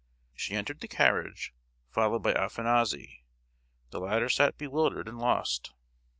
She entered the carriage, followed by Afanassy. The latter sat bewildered and lost.